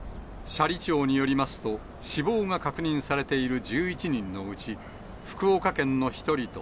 斜里町によりますと、死亡が確認されている１１人のうち、福岡県の１人と、